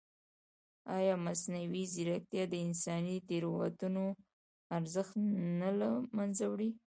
ایا مصنوعي ځیرکتیا د انساني تېروتنو ارزښت نه له منځه وړي؟